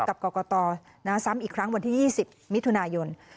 กับกรกตซ้ำอีกครั้งวันที่๒๐มิถุนายน